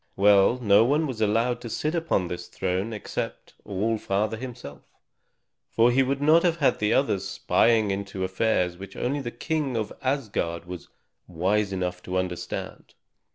Well, no one was allowed to sit upon this throne except All Father himself, for he would not have the others spying into affairs which only the King of Asgard was wise enough to understand.